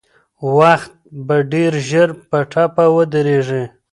وخت به ډېر ژر په ټپه ودرېږي.